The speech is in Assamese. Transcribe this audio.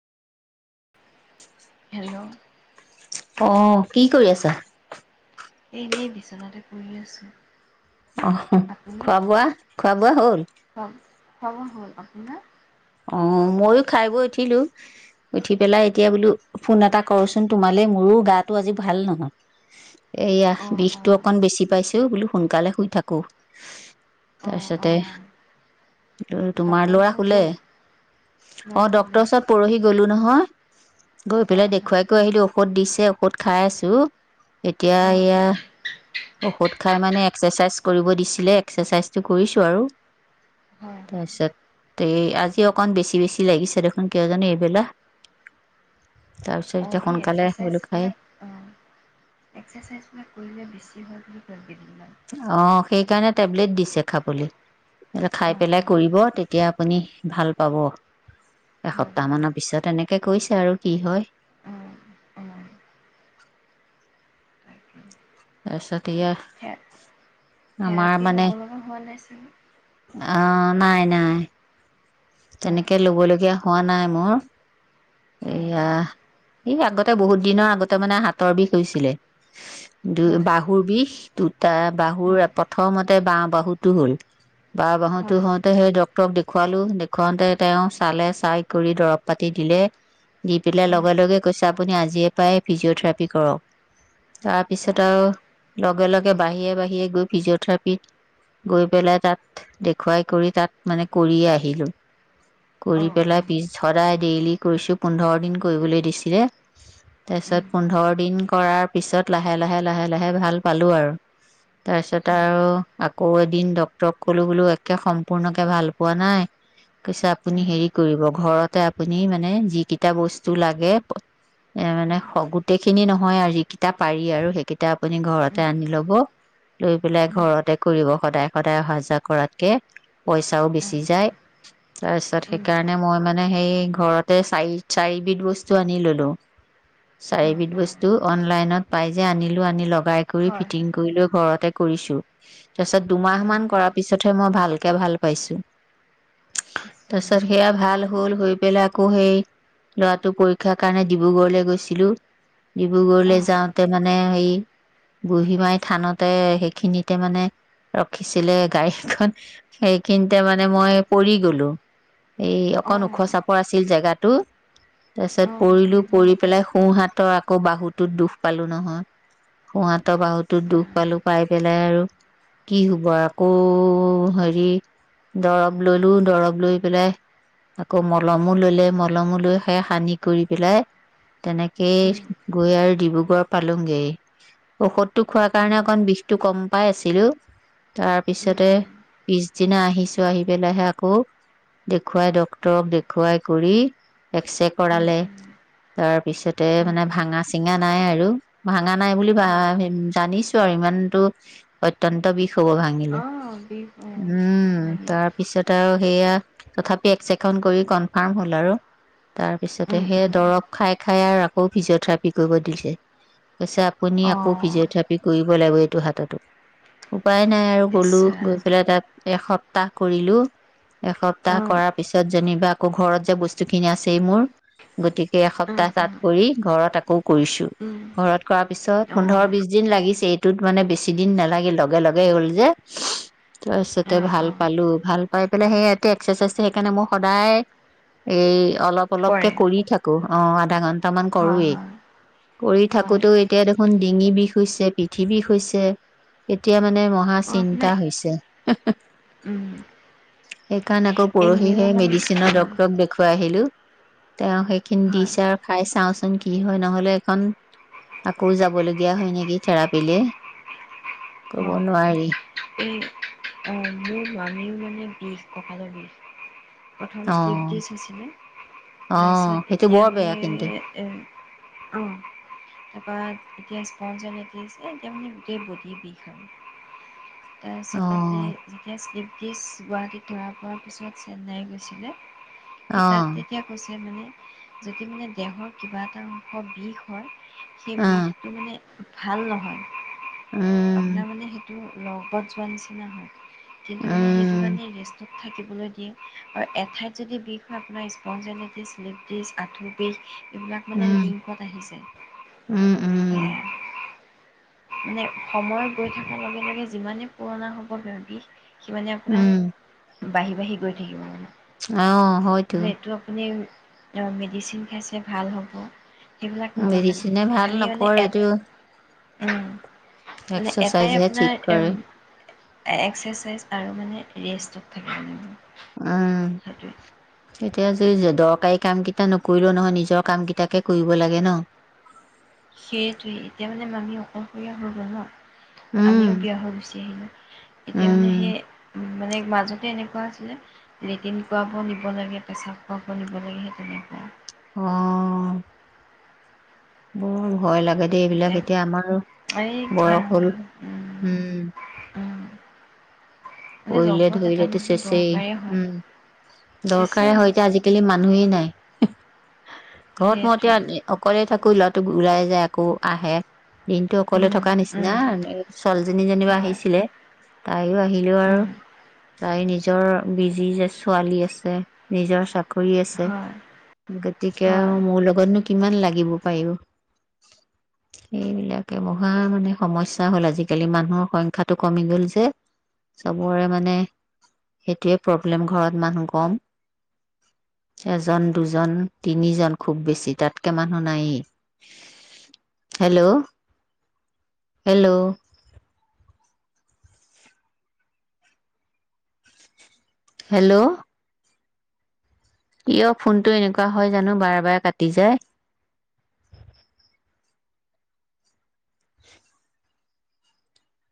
হেল্ল' অহ কি কৰি আছা? এনেই বিচনাতে পৰি আছোঁ। অহ হ আপুনি খোৱা বোৱা - খোৱা বোৱা হ'ল? খোৱা খোৱা বোৱা হল। আপোনাৰ? অ' ময়ো খাই বৈ উঠিলো, উঠি পেলাই এতিয়া বোলো ফোন এটা কৰোচোন তোমালে। মোৰো গাটো আজি ভাল নহয়। এইয়া অঁ বিষটো অঁ অকণ বেছি পাইছে অ' বোলো। সোনকালে শুই থাকোঁ‌। অঁ তাৰপিছতে অঁ [unintelligible] তোমাৰ ডক্টৰৰ লৰা ওচৰত শুলে? গ'ল ল'ৰা অ' শুলে ডক্তৰৰ ওচৰত পৰহি গলো নহয়। গৈ হয় পেলাই হয় দেখুৱাই কৈ আহিলোঁ‌। ঔষধ দিছে ঔষধ খাই আছোঁ‌। এতিয়া অঁ অঁ এয়া ঔষধ খাই মানে এক্সাৰচাইজ কৰিব দিছিলে। এক্সাৰচাইজটো কৰিছোঁ‌ আৰু। হয় হয় তাৰপিছত। তে আজি অকন বেছি বেছি লাগিছে দেখোন কিয় জানো এইবেলা। তাৰপিছত এতিয়া অ' এই সোনকালে বোলো খাই এক্সাৰচাইজবিলাক উম এক্সাৰচাইজবিলাক কৰিলে বেছি হয় বুলি কয় কেইদিনমান অ' সেইকাৰণে টেবলেট দিছে খাবলে। এতিয়া খাই অঁ পেলাই অঁ কৰিব তেতিয়া আপুনি ভাল পাব হয় এসপ্তাহ হয় মানৰ পিছত এনেকে কৈছে আৰু কি হয়? অঁ অঁ তাকে তাৰপিছত এয়া। থে আমাৰ থেৰাপি মানে ল'ব লগা হোৱা নাই ছা অ' নাই নাই। অঁ তেনেকে অঁ ল'ব লগগীয়া হোৱা নাই। মোৰ। হয় এয়া হয় এই আগতে বহুত দিনৰ আগতে মানে হাতৰ বিষ হৈছিলে। দু হয় -বাহুৰ বিষ। দুটা বাহুৰ প্ৰথমতে বাওঁ বাহুটো হল। বাওঁ বাহুটো হয় হওঁতে সেই ডক্তৰক দেখুৱালোঁ‌। দেখুৱাওঁতে তেওঁ চালে চাই কৰি দৰব পাতি দিলে। দি পেলাই হয় লগে লগে কৈছে। আপুনি আজিৰে পৰায়ে ফিজি'অথেৰাপি কৰক। হয় তাৰপিছত আৰু লগে লগে বাহিৰে বাহিৰে গৈ ফিজি'থেৰাপিত গৈ পেলাই তাত দেখুৱাই কৰি তাত মানে কৰিয়ে আহিলো। কৰি হয় পেলাই পিছ সদায়। ডেইলি কৰিছো। পোন্ধৰ দিন কৰিবলৈ দিছিলে, তাৰ পিছত পোন্ধৰ দিন কৰাৰ পিছত লাহে লাহে লাহে লাহে ভাল পালো আৰু। তাৰপিছত আৰু আকৌ দিন ডক্তৰক কলো বুলো একে সম্পূৰ্ণকে ভাল পোৱা নাই। কৈছে আপুনি হেৰি কৰিব ঘৰত তে আপুনি নে যিকিটা বস্তু লাগে, এ মানে গোটেই খিনি নহয় আৰু যিকিটা পাৰি আৰু সেইকেই টা আপুনি ঘৰতে আনি লব, লৈ পেলাই ঘৰতে কৰিব সদায়। সদায় অহা যোৱা কৰাতকে, পইচাও বেচি যায়। তাৰপিছত সেইকাৰণে মই মানে সেই ঘৰত তে চাৰি - চাৰবিধ বস্তু আনি ললো। চাৰিবিধ বস্তু অনলাইনত পাই যে আনিলো আনি লগ ট্ৰাই কৰি ফিটিং হয় কৰি লৈ ঘৰতে কৰিছো। তাৰ পিছত দুমাহ অঁ মান অঁ কৰাৰ পিছতহে মই ভাল কে ভাল পাইছো। ইছ তাৰপিছত ৰাম সেয়া ভাল চাওকচোন হ'ল হৈ পেলাই আক সেই ল'ৰাটোৰ পৰীক্ষাৰ কাৰণে ডিব্ৰুগড়লে গৈছিলো। ডিব্ৰুগড়লে অঁ যাওঁতে মানে হেৰি বুঢ়ীমাই থানতে সেইখিনিতে মানে ৰখিছিলে গাড়ীখন সেই সেইখিনতে মানে মই পৰি গ'লো। এই অকন অঁ ওখ চাপৰ আছে। জেগাটো। তাৰ পিছত অঁ সেইখিনি পৰিলো আপোনাৰ পৰি ওখ পেলাই চাপৰ হয় সোঁহাতৰ আকৌ বাহুত টো দুখ পালো নহয়। সোঁ হাতৰ ইছ বাহুতোত দুখ ৰাম পালো পাই পেলাই আৰু কি হব আকৌ হেৰি দৰৱ ললো দৰব লৈ পেলাই আকৌ মলম মো ললে মলমো লৈ সেয়া সানি কৰি পেলাই তেনেকেই গৈ আৰু ডিব্ৰুগড় পালুংগে। ঔষধটো খোৱাৰ কাৰণে অকন বিষটো কম পাই আছিলো। তাৰ হয় পিছতে পিছদিনা আহি ছো আহি পেলাইহে আকৌ দেখুৱাই ডক্তৰক দেখ খোৱাই কৰি এক্সৰে কৰালে, তাৰপিছতে মানে ভাঙা চিঙা নাই আৰু ভা ভাঙা নাই বুলি হয় ভা- জানিছোঁ। [unintelligible] অত্যন্ত বিষ বিষোৱা বোৰ ভাঙিলে। অঁ বিষ উম। হেৰি তাৰপিছত আৰু সেইয়া তথাপি এক্সৰে খন কৰি কনফাৰ্ম হ'ল আৰু। তাৰ পিছতে অঁ সেই দৰৱ খাই খাই আৰু আকৌ ফিজিঅথেৰাপি কৰিব দিছে। কৈছে, আপুনি আকৌ ফিজিঅথেৰাপি পি কৰিব লাগিব এইটো হাততো। উপায় নাই আৰু ইছ গ'লো গৈ ৰাম পেলাই তাত এসপ্তাহ সপ্তাহ কৰিলো। এসপ্তাহ অঁ অঁ কৰাৰ পিছত যেনিবা আকৌ ঘৰত যে বস্তু খিনি আছেই মোৰ। গতিকে অঁ এসপ্তাহ তাত কৰি ঘৰত আকৌ কৰিছো। ঘৰত কৰা পিছত পোন্ধৰ বিছ দিন লাগিছে। এইটোত মানে বেছি দিন নালাগিল লগে লগে হ'ল যে। অঁ তাৰপিছতে অঁ অঁ ভাল পালো। ভাল পাই পেলাই সেইয়াত [unintelligible] তে এক্সাৰচাইজটো সেইকাৰণে মোৰ সদায় এই অলপ কৰে অলপকে কৰি থাকো। অ আধা ঘণ্টা। টামান হয় কৰোয়েই। হয় কৰি হয় থাকোতেও এতিয়া দেখোন ডিঙি বিষ হৈছে, পিঠি বিষ হৈছে। এতিয়া মানে নে মহা অ চিন্তা আপোনাৰ হৈছে। উম সেই কাৰণে আকৌ এই মোৰ পৰহিহে মানে অ মেডিচিনৰ ডক [unintelligible] গৈ আহিলোঁ। তেওঁ সেইখিনি হয় দিছে, আৰু খাই চাওঁচোন কি হয়, নহ'লে এইখন আকৌ যাবলগীয়া হয় নেকি থেৰাপিলে। কব নোৱাৰি। অহ মোৰ মামীও মানে বিষ। কঁকালৰ বিষ। প্ৰথম অ শ্লিপ ডিস্ক আছিলে, অ তাৰপিছত সেইটো এতিয়া বৰ বেয়া কিন্তু মানে এ অ তাৰ পা এতিয়া স্পনজাইলেটিছ। এ এতিয়া মানে গোটেই বডিৰ বিষ। [unintelligible] অ তাৰপিছতে যেতিয়া শ্লিপ কেছ গুৱাহাটীত ধৰা পৰাৰ পিছত চেন্নাই গৈছিলে। সেই অ তাত তেতিয়া কৈছে যে মানে যদি মানে দেহৰ কিবা এটা অংশ বিষ হয় সেই অ বিষটো মানে ভাল নহয়। উম আপোনাৰ মানে টো লগত যোৱাৰ নিচিনা হয়। কিন্তু মানে সেইটো উম কাৰণে ৰিচৰ্ত। থাকিবলৈ দিয়ে আৰু এঠাইত যদি বিষ হয় আপোনাৰ স্পনজাইলেটিছ, শ্লিপ ডিস্ক, আঠু বিষ এইবিলাক মানে লিংকত আহি যায়। উম উম উম সেয়াই। মানে সময়ত গৈ থকাৰ লগে লগে যিমানে পুৰণা হ'ব ব-বিষ সি মানে উম আপোনাৰ বাঢ়ি বাঢ়ি গৈ থাকিব মানে। অ' হয়তো। তাপা মেডিচিন খাইছে ভাল হ'ব। সেইবিলাক নহয় মানে মেডিচিনে ভাল খালি মানে নকৰে এ এইটো উম। মানে এক্সচাইজ হে ঠিক কৰে। এক্সচাইজ আৰু মানে ৰেষ্টত থাকিব লাগিব। উম। এতিয়া যে- যে - দৰকাৰী কাম কেইটা নকৰিলেও নহয় নিজৰ কাম কেইটাকে কৰিব লাগে ন? সেইটোৱে এতিয়া মানে মামী অকলশৰীয়া হৈ গ'ল ন। উম, আমিও বিয়া হৈ গুচি আহিলোঁ। এতিয়া মানে উম, সেই মানে মাজতে এনেকুৱা আছিলে লেট্ৰিন কৰাব নিব লাগে, পেচাব কৰাব নিব লাগে। সেই তেনেকুৱা। অ'। বল ভয় লাগে দে এইবিলাক এতিয়া আমাৰো এই বয়স হ'ল। উম। উম মানে পৰিলে লগত এটা ধৰিলেতো মানুহ চেচেই। দৰকাৰেই হয় উম। দৰকাৰে চেচেই হয় এতিয়া আজিকালি মানুহেই নাই। ঘৰত মই সেইটোৱে এতিয়া অকলে থাকোঁ। আকৌ ল'ৰাটো ওলাই যায় আকৌ আহে। দিনটো অকলে উম থকা নিচিনা। উম এই ছোৱালীজনী যেনিবা হয় আহিছিলে। তাই ও আহি [unintelligible] আৰু উম তাই নিজৰ বিজি যে ছোৱালী আছে নিজৰ চাক কৰি আছে হয় গতিকে হয় মোৰ লগতনো কি কিমান লাগিব পাৰিব। এইবিলাকে মহা মানে সমস্যা হ'ল আজিকালি মানুহৰ সংখ্যাটো কমি গ'ল যে। চবৰে মানে সেইটোৱে প্ৰব্লেম। ঘৰত মানুহ কম। এজন, দুজন, তিনিজন খুব বেছি তাতকে মানুহ নায়েই। Hello hello. হেল্ল' কিয় ফোনটো এনেকুৱা হয় জানোঁ বাৰে বাৰে কাটি যায়।